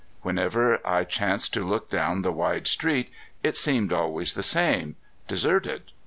Whenever I chanced to look down the wide street it seemed always the same deserted.